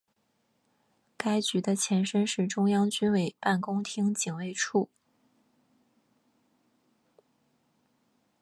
该局的前身是中央军委办公厅警卫处。